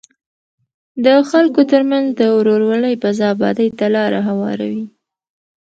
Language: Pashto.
د خلکو ترمنځ د ورورولۍ فضا ابادۍ ته لاره هواروي.